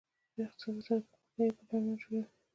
د اقتصاد وزارت پرمختیايي پلانونه جوړوي